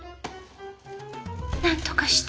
なんとかして。